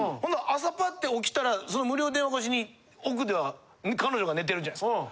朝パッと起きたらその無料電話越しに奥では彼女が寝てるじゃないですか。